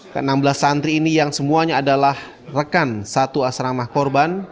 ke enam belas santri ini yang semuanya adalah rekan satu asrama korban